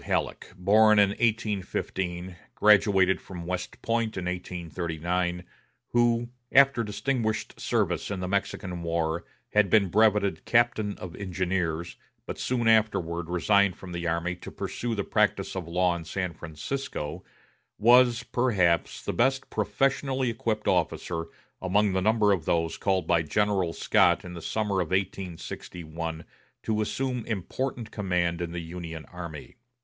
Halleck, born in 1815, graduated from West Point in 1839, who, after distinguished service in the Mexican war, had been brevetted captain of Engineers, but soon afterward resigned from the army to pursue the practice of law in San Francisco, was, perhaps, the best professionally equipped officer among the number of those called by General Scott in the summer of 1861 to assume important command in the Union army.